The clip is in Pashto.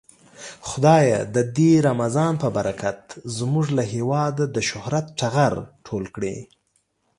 خدايه د دې رمضان په برکت زمونږ له هيواده د شهرت ټغر ټول کړې.